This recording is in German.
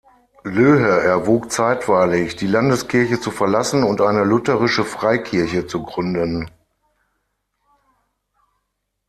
Löhe erwog zeitweilig, die Landeskirche zu verlassen und eine lutherische Freikirche zu gründen.